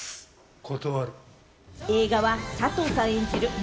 断る。